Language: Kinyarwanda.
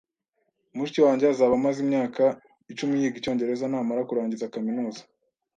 Mushiki wanjye azaba amaze imyaka icumi yiga icyongereza namara kurangiza kaminuza.